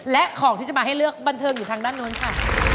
และของที่จะมาให้เลือกบันเทิงอยู่ทางด้านนู้นค่ะ